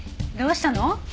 どうしたの？